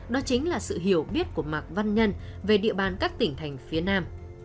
đó chính là sự hiểu biết của mạc văn nhân về địa bàn các tỉnh thành phía nam